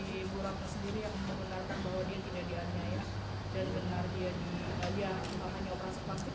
dan benar dia diaryai